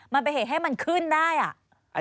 มันเป็นเหตุให้มันขึ้นได้อ่ะ